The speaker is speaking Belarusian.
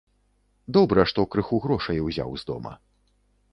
Добра, што крыху грошай узяў з дома.